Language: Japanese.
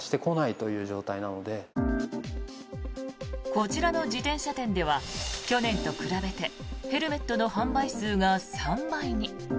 こちらの自転車店では去年と比べてヘルメットの販売数が３倍に。